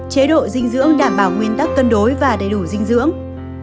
chế độ dinh dưỡng đảm bảo nguyên tắc cân đối và đầy đủ dinh dưỡng